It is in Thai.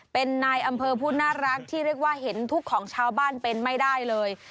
เป็นนายอำเภอผู้น่ารักที่เรียกว่าเห็นทุกข์ของชาวบ้านเป็นไม่ได้เลย